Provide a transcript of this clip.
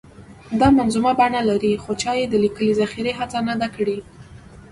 دا منظومه بڼه لري خو چا یې د لیکلې ذخیرې هڅه نه ده کړې.